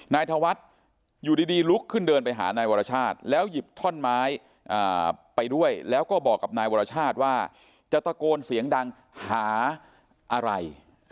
นายธวัฒน์อยู่ดีลุกขึ้นเดินไปหานายวรชาติแล้วหยิบท่อนไม้ไปด้วยแล้วก็บอกกับนายวรชาติว่าจะตะโกนเสียงดังหาอะไร